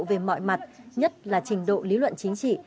về mọi mặt nhất là trình độ lý luận chính trị